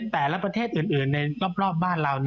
แต่ละประเทศอื่นในรอบบ้านเรา